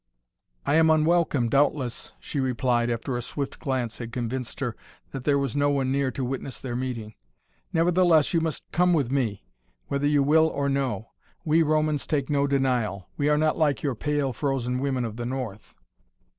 "I am unwelcome doubtless," she replied, after a swift glance had convinced her that there was no one near to witness their meeting. "Nevertheless you must come with me whether you will or no. We Romans take no denial. We are not like your pale, frozen women of the North."